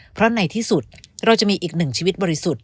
เพราะในที่สุดเราจะมีอีกหนึ่งชีวิตบริสุทธิ์